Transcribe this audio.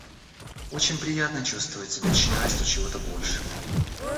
Очень приятно чувствовать себя частью чего-то большого